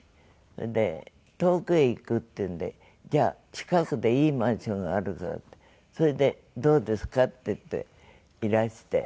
で「遠くへ行く」って言うんで「じゃあ近くでいいマンションがあるからそれでどうですか？」って言っていらして。